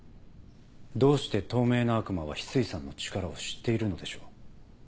どうして透明な悪魔は翡翠さんの力を知っているのでしょう？